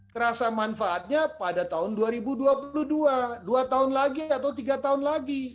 terasa manfaatnya pada tahun dua ribu dua puluh dua dua tahun lagi atau tiga tahun lagi